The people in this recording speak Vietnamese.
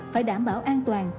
phải đảm bảo an toàn